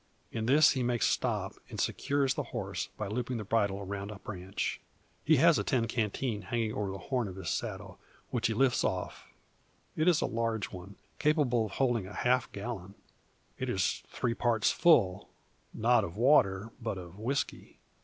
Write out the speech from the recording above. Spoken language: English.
In this he makes stop, and secures the horse, by looping the bridle around a branch. He has a tin canteen hanging over the horn of his saddle, which he lifts off. It is a large one, capable of holding a half gallon. It is three parts full, not of water, but of whisky.